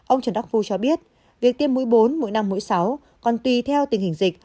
ông trần đắc phu cho biết việc tiêm mũi bốn mỗi năm mũi sáu còn tùy theo tình hình dịch